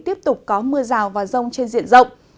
tiếp tục có mưa rào và rông trên diện rộng